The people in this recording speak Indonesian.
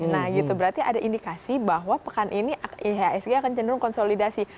nah gitu berarti ada indikasi bahwa pekan ini ihsg akan cenderung konsolidasi